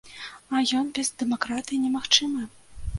А ён без дэмакратыі немагчымы.